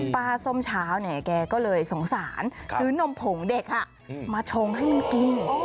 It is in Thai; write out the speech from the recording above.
ส้มเช้าเนี่ยแกก็เลยสงสารซื้อนมผงเด็กมาชงให้มันกิน